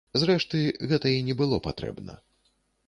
Зрэшты, гэта і не было патрэбна.